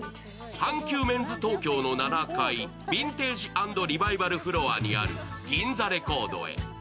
阪急メンズ東京の７階、ヴィンテージ＆リバイバルフロアの７階にあるギンザレコードへ。